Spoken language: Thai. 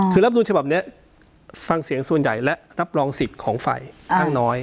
คือรับนูลฉบับนี้ฟังเสียงส่วนใหญ่และรับรองสิทธิ์ของฝ่ายข้างน้อย